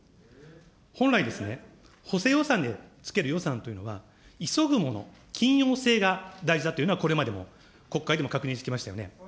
本来ですね、補正予算でつける予算というものは、急ぐもの、緊要性が大事だというのはこれまでも国会でも確認してきましたよね。